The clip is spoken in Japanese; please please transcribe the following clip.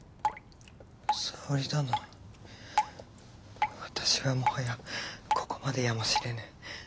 沙織殿私はもはやここまでやもしれぬ。